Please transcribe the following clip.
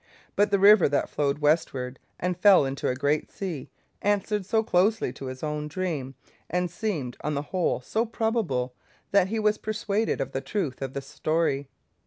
But the river that flowed westward and fell into a great sea answered so closely to his own dream, and seemed on the whole so probable, that he was persuaded of the truth of the story.